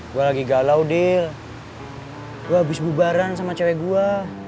gua lagi galau deal gua habis bubaran sama cewek gua